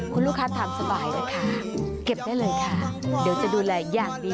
คุณลูกค้าทำสบายเลยค่ะเก็บได้เลยค่ะเดี๋ยวจะดูแลอย่างดี